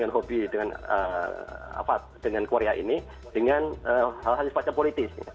gambaran dia yang suka dengan hobi dengan korea ini dengan hal hal yang sifatnya politis